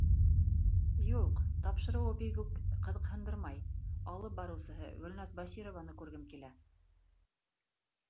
Юҡ, тапшырыуы бигүк ҡыҙыҡһындырмай, алып барыусыһы Гөлназ Басированы күргем килә.